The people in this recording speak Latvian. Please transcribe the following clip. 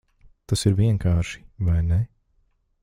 Tas ir vienkārši, vai ne?